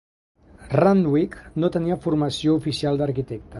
Renwick no tenia formació oficial d'arquitecte.